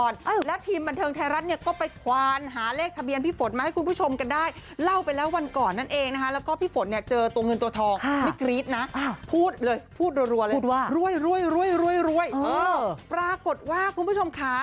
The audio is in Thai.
เข้าเป้าจริงด้วยนะคะ